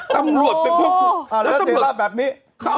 ตำรวจเป็นพ่อครูแล้วเจราะแบบนี้